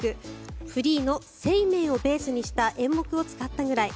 フリーの「ＳＥＩＭＥＩ」をベースにした演目を使ったぐらい。